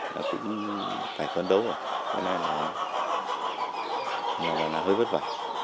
nó cũng phải phấn đấu rồi nên là hơi vất vả